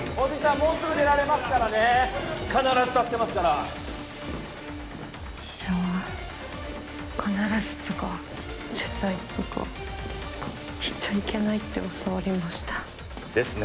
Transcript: もうすぐ出られますからね必ず助けますから医者は「必ず」とか「絶対」とか言っちゃいけないって教わりましたですね